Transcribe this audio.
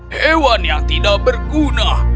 hewan yang tidak berguna